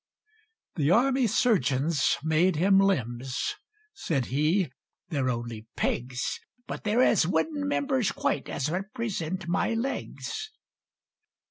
The army surgeons made him limbs: Said he, "They're only pegs: But there's as wooden members quite, As represent my legs!"